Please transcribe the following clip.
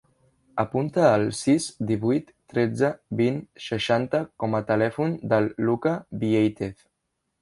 Apunta el sis, divuit, tretze, vint, seixanta com a telèfon del Lucca Vieitez.